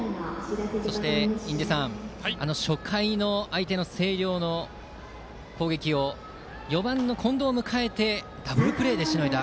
そして、印出さん初回の相手の星稜の攻撃を４番の近藤を迎えてダブルプレーでしのいだ。